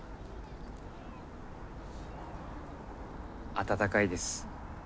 温かいです。